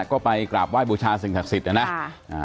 ก็ไปกราบไห้บูชาสิ่งศักดิ์สิทธิ์นะนะ